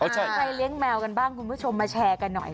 ใครเลี้ยงแมวกันบ้างคุณผู้ชมมาแชร์กันหน่อย